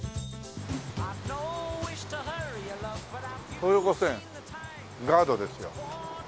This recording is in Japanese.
東横線ガードですよ。